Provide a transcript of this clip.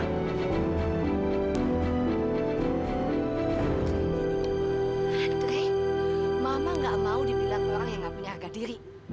andre mama gak mau dibilang orang yang gak punya harga diri